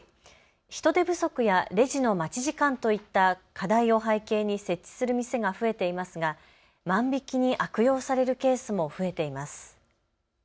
人手不足やレジの待ち時間といった課題を背景に設置する店が増えていますが万引きに悪用されるケースも増えています。